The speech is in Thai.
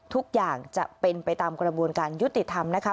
ทุกอย่างจะเป็นไปตามกระบวนการยุติธรรมนะคะ